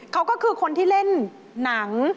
เขาก็คือคนที่เล่นหนัง